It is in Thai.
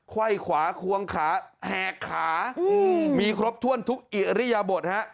ไหว้ขวาควงขาแหกขามีครบถ้วนทุกอิริยบทฮะ